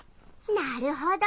なるほど。